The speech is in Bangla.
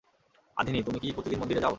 আধিনি, তুমি কি প্রতিদিন মন্দিরে যাও?